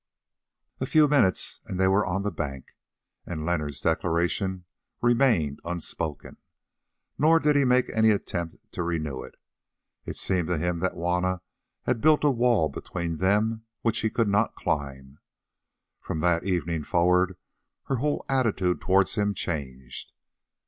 A few minutes and they were on the bank, and Leonard's declaration remained unspoken. Nor did he make any attempt to renew it. It seemed to him that Juanna had built a wall between them which he could not climb. From that evening forward her whole attitude towards him changed.